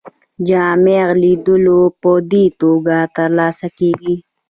جامع لیدلوری په دې توګه ترلاسه کیږي.